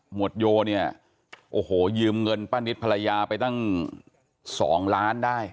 วดโยเนี่ยโอ้โหยืมเงินป้านิตภรรยาไปตั้ง๒ล้านได้